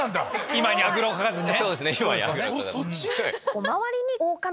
今にあぐらをかかずにね。